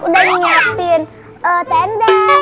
udah nyiapin tenda